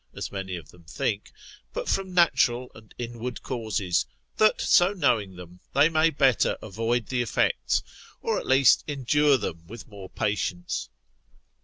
as many of them think, but from natural and inward causes, that so knowing them, they may better avoid the effects, or at least endure them with more patience.